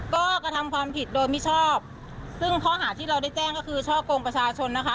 ข้อหาที่เราได้แจ้งก็คือช่อกงประชาชนนะคะ